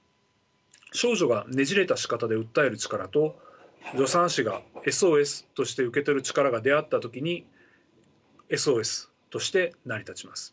少女がねじれたしかたで訴える力と助産師がＳＯＳとして受け取る力が出会った時にＳＯＳとして成り立ちます。